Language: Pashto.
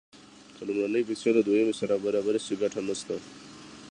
که لومړنۍ پیسې له دویمې سره برابرې شي ګټه نشته